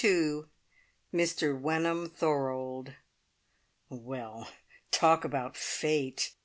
Mr Wenham Thorold." Well, talk about fate!